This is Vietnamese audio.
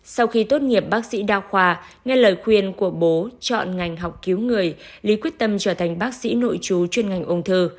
sau khi tốt nghiệp bác sĩ đa khoa nghe lời khuyên của bố chọn ngành học cứu người lý quyết tâm trở thành bác sĩ nội chú chuyên ngành ung thư